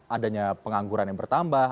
adanya pengangguran yang bertambah